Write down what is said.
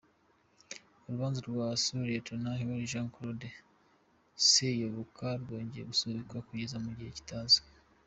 Urubanza rwa Sous-Lieutenant Henry Jean Claude Seyoboka rwongeye gusubikwa kugeza mu gihe kitazwi.